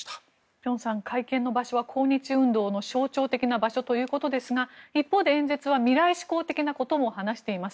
辺さん、会見の場所は抗日運動の象徴的な場所ということですが一方で演説は未来志向的なことも話しています。